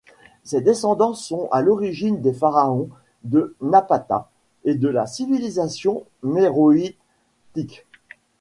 Ses descendants sont à l'origine des pharaons de Napata et de la civilisation méroïtique.